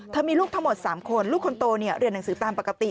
มีลูกทั้งหมด๓คนลูกคนโตเรียนหนังสือตามปกติ